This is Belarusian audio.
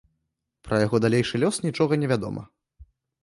Пра яго далейшы лёс нічога невядома.